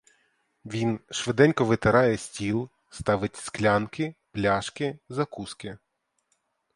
Він швиденько витирає стіл, ставить склянки, пляшки, закуски.